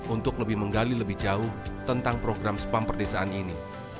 untuk lebih menggali lebih jauh tentang program spam perdesaan ini